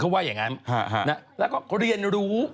เขาบอกว่าเอาไปเถอะ